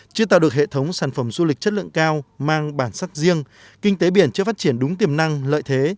chưa tạo được hệ thống sản phẩm du lịch chất lượng cao mang bản sắc riêng kinh tế biển chưa phát triển đúng tiềm năng lợi thế